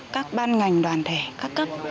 các ban ngành đoàn thể các cấp